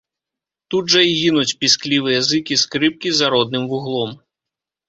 Тут жа і гінуць пісклівыя зыкі скрыпкі за родным вуглом.